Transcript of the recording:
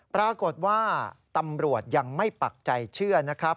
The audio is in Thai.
ปรากฏว่าตำรวจยังไม่ปักใจเชื่อนะครับ